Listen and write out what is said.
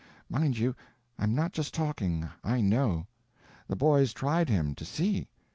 Mind you, I'm not just talking, I know. The boys tried him, to see.